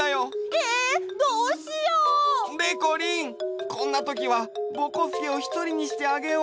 えどうしよう！でこりんこんなときはぼこすけをひとりにしてあげよう！